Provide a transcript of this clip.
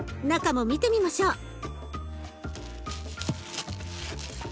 中も見てみましょう。